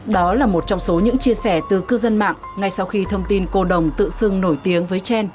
đó là một trong số những chia sẻ từ cư dân mạng ngay sau khi thông tin cô đồng tự xưng nổi tiếng với chen